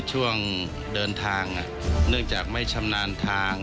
ช่วงเดินทางเนื่องจากไม่ชำนาญทาง